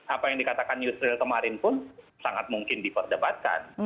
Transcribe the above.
apa yang dikatakan yusril kemarin pun sangat mungkin diperdebatkan